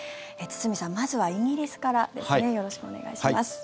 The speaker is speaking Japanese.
堤さん、まずはイギリスからよろしくお願いします。